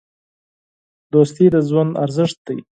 دوستي د ژوند ارزښت دی.